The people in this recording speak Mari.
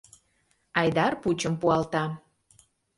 Айдар пучым пуалта.